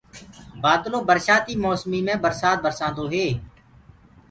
بآدلو برشآتيٚ موسميٚ مي برسآت برسآنٚدو هي